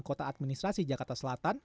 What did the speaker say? kota administrasi jakarta selatan